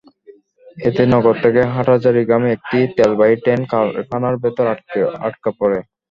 এতে নগর থেকে হাটহাজারীগামী একটি তেলবাহী ট্রেন কারখানার ভেতরে আটকা পড়ে।